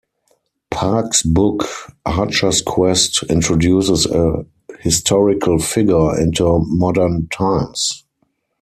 Park's book, "Archer's Quest", introduces a historical figure into modern times.